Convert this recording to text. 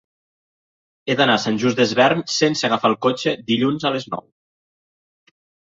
He d'anar a Sant Just Desvern sense agafar el cotxe dilluns a les nou.